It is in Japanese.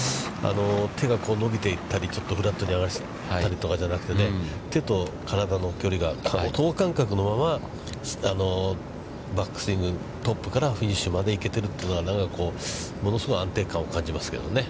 手が伸びていったり、ちょっとフラットに上がったりとかじゃなくて、手と体の距離が等間隔のままバックスイング、トップからフィニッシュまで行けてるというのが物すごく安定感を感じますけどね。